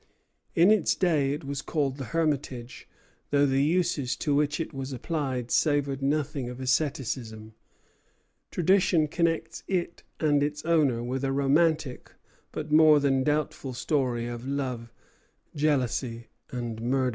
In its day it was called the Hermitage; though the uses to which it was applied savored nothing of asceticism. Tradition connects it and its owner with a romantic, but more than doubtful, story of love, jealousy, and murder.